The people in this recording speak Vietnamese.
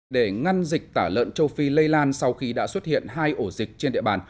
để ngăn dịch tả lợn châu phi lây lan sau khi đã xuất hiện hai ổ dịch trên địa bàn